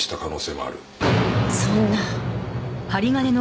そんな。